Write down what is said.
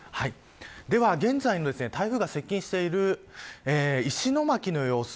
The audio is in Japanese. では、現在の台風が接近している石巻の様子